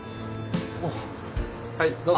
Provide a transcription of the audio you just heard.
はいどうぞ。